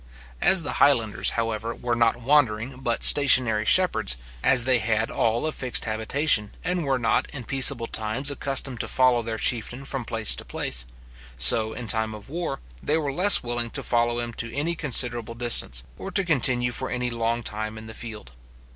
As the Highlanders, however, were not wandering, but stationary shepherds, as they had all a fixed habitation, and were not, in peaceable times, accustomed to follow their chieftain from place to place; so, in time of war, they were less willing to follow him to any considerable distance, or to continue for any long time in the field.